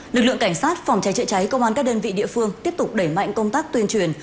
lực lượng cảnh sát phòng cháy chữa cháy công an các đơn vị địa phương tiếp tục đẩy mạnh công tác tuyên truyền